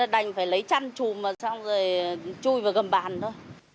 đành phải lấy chăn chùm vào xong rồi chui vào gầm bàn thôi